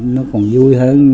nó còn vui hơn